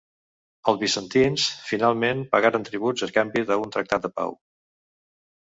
Els bizantins finalment pagaren tributs a canvi d'un tractat de pau.